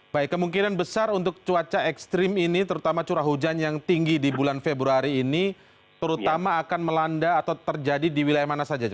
baik kemungkinan besar untuk cuaca ekstrim ini terutama curah hujan yang tinggi di bulan februari ini terutama akan melanda atau terjadi di wilayah mana saja